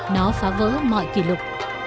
nó phá vỡ mọi kỷ lục